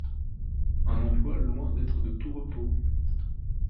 Un emploi loin d'être de tout repos.